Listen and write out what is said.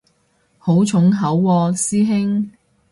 好重口喎師兄